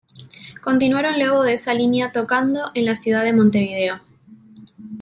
Continuaron luego en esa línea tocando en la ciudad de Montevideo.